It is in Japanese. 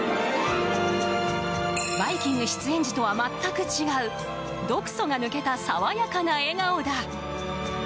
「バイキング」出演時とは全く違う毒素が抜けた爽やかな笑顔だ。